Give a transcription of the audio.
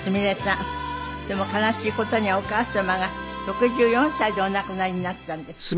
でも悲しい事にお母様が６４歳でお亡くなりになったんです。